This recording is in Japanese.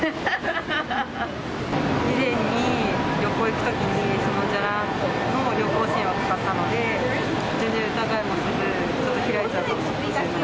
以前に、旅行行くときにじゃらんの旅行支援を使ったので、全然疑いもせず、開いちゃうと思います。